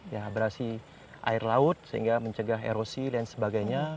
ya abrasi air laut sehingga mencegah erosi dan sebagainya